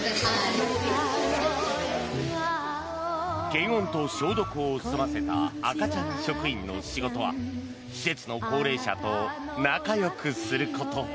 検温と消毒を済ませた赤ちゃん職員の仕事は施設の高齢者と仲よくすること。